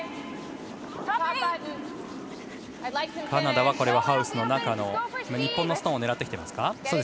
カナダはハウスの中の日本のストーンを狙ってきていますか？